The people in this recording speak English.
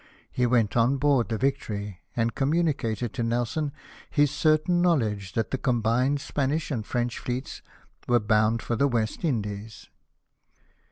He went on board the Victory, and com municated to Nelson his certain knowledge that the combined Spanish and French fleets were bound for the West Indies.